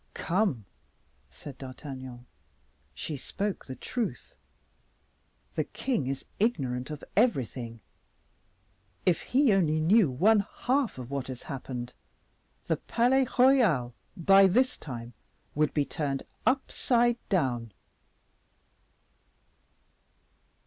"Come," said D'Artagnan, "she spoke the truth; the king is ignorant of everything; if he only knew one half of what has happened, the Palais Royal by this time would be turned upside down."